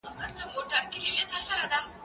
زه اوږده وخت پوښتنه کوم!؟